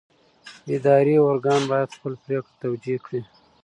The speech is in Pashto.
اداري ارګان باید خپله پرېکړه توجیه کړي.